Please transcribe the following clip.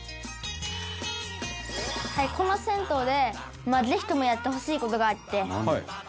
「この銭湯でぜひともやってほしい事があって」